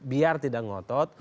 biar tidak ngotot